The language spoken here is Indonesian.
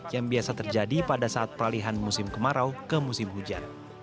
yang biasa terjadi pada saat peralihan musim kemarau ke musim hujan